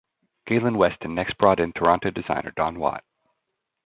Galen Weston next brought in Toronto designer Don Watt.